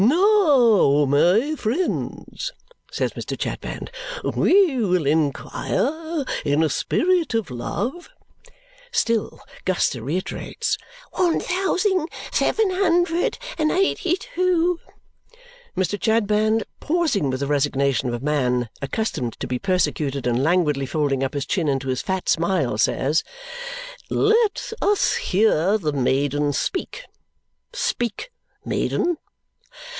"Now, my friends," says Mr. Chadband, "we will inquire in a spirit of love " Still Guster reiterates "one thousing seven hundred and eighty two." Mr. Chadband, pausing with the resignation of a man accustomed to be persecuted and languidly folding up his chin into his fat smile, says, "Let us hear the maiden! Speak, maiden!"